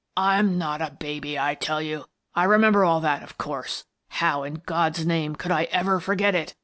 I'm not a baby, I tell you! I remember all that, of course. How, in God's name, could I ever forget it?